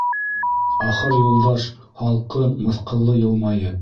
Ахыр Юлдаш, һалҡын, мыҫҡыллы йылмайып: